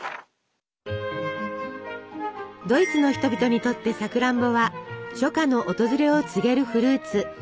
ドイツの人々にとってさくらんぼは初夏の訪れを告げるフルーツ。